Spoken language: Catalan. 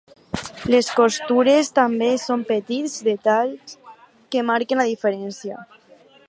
Les costures també són petits detalls que marquen la diferència.